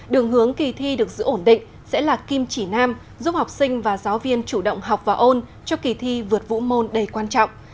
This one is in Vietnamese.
đường hướng kỳ thi được giữ ổn định sẽ là kim chỉ nam giúp học sinh và giáo viên chủ động học và ôn cho kỳ thi vượt vũ môn đầy quan trọng